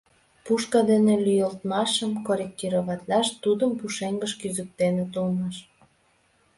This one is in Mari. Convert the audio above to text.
Пушка дене лӱйылтмашым корректироватлаш тудым пушеҥгыш кӱзыктеныт улмаш.